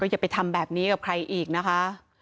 อย่าไปทำแบบนี้กับใครอีกนะคะ